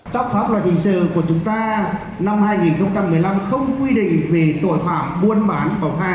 tác pháp loài trình sự của chúng ta năm hai nghìn một mươi năm không quy định về tội phạm buôn bán